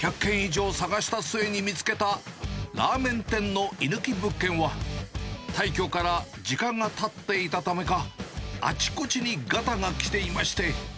１００軒以上探した末に見つけたラーメン店の居抜き物件は、退去から時間がたっていたためか、あちこちにガタが来ていまして。